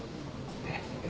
えっ？